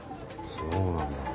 そうなんだ。